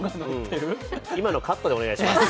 今のカットでお願いします。